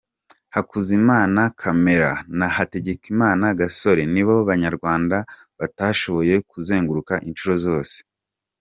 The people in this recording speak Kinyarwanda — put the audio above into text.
Hakuzimana Camera na Hategeka Gasore nibo Banyarwanda batashoboye kuzenguruka inshuro zose.